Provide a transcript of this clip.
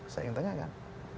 saya ingin tanyakan